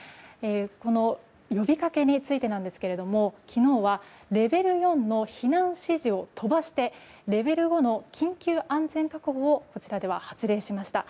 この呼びかけについてですが昨日はレベル４の避難指示を飛ばしてレベル５の緊急安全確保をこちらでは発令しました。